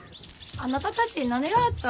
あなたたち何があった？